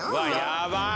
やばい。